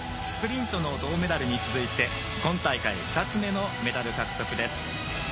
スプリントの銅メダルに続いて今大会２つ目のメダル獲得です。